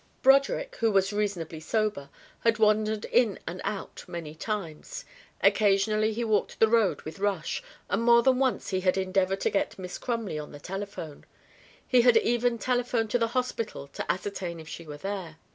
Broderick, who was reasonably sober, had wandered in and out many times. Occasionally he walked the road with Rush, and more than once he had endeavoured to get Miss Crumley on the telephone. He had even telephoned to the hospital to ascertain if she were there.